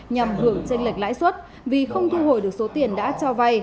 nhằm hưởng tranh lệch lãi suất vì không thu hồi được số tiền đã cho vay